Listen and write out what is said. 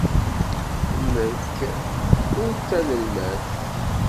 Nekk ur d tanelmadt.